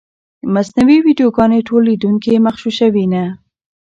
مصنوعي ویډیوګانې ټول لیدونکي مغشوشوي نه.